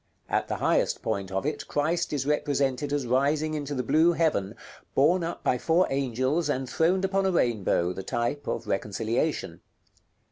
At the highest point of it Christ is represented as rising into the blue heaven, borne up by four angels, and throned upon a rainbow, the type of reconciliation.